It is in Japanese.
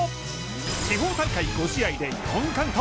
地方大会５試合で４完投。